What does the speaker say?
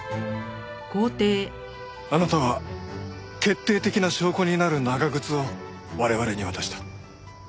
あなたは決定的な証拠になる長靴を我々に渡した。